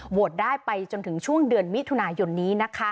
โหวตได้ไปจนถึงช่วงเดือนมิถุนายนนี้นะคะ